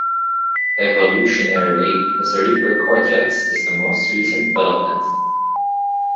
Evolutionarily, the cerebral cortex is the most recent development.